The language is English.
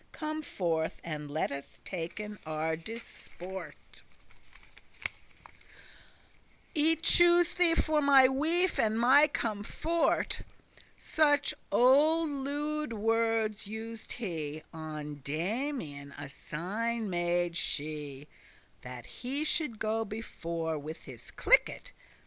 Come forth, and let us taken our disport; I choose thee for my wife and my comfort." Such olde lewed* wordes used he. *foolish, ignorant On Damian a signe made she, That he should go before with his cliket.